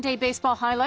はい。